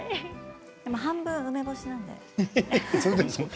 でも半分梅干しなんで。